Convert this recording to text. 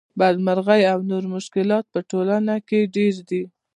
بدمرغۍ او نور مشکلات په ټولنه کې ډېر دي